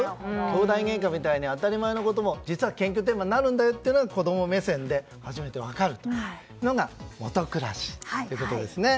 きょうだいげんかみたいに当たり前のことも実は研究テーマになるんだよというのが、子供目線で初めて分かるというのが下暗しということですね。